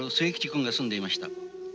君が住んでいました。